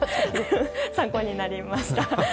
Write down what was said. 参考になりました。